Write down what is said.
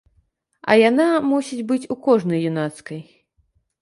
А яна мусіць быць у кожнай юнацкай.